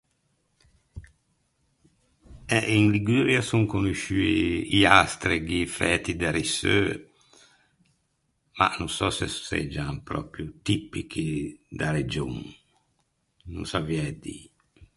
Eh in Liguria son conosciui i astreghi fæti de risseu, ma no sò se seggian pròpio tipichi da region, no saviæ dî.